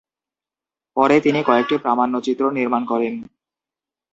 পরে তিনি কয়েকটি প্রামাণ্যচিত্র নির্মাণ করেন।